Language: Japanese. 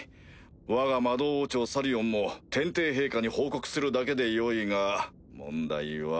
わが魔導王朝サリオンも天帝陛下に報告するだけでよいが問題は。